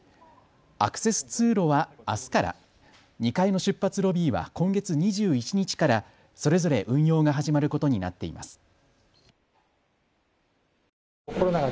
アクセス通路は、あすから、２階の出発ロビーは今月２１日からそれぞれ運用が始まることになっています。